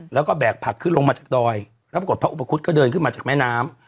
แล้วก็แบกผักขึ้นลงมาจากดอยแล้วปรากฏพระอุปคุฎก็เดินขึ้นมาจากแม่น้ำ